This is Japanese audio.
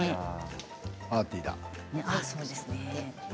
パーティーや。